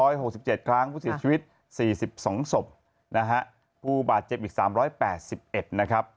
อยู่ที่๓๖๗ครั้งผู้ชีวิต๔๒ศพผู้บาดเจ็บอีก๓๘๑นะครับ